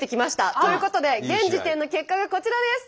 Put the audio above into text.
ということで現時点の結果がこちらです！